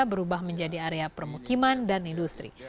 berubah menjadi area permukiman dan industri